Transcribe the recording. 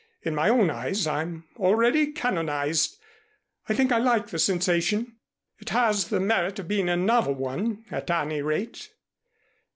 In my own eyes I'm already canonized. I think I like the sensation. It has the merit of being a novel one at any rate."